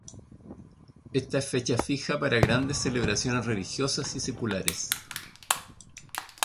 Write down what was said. Esta es fecha fija para grandes celebraciones religiosas y seculares.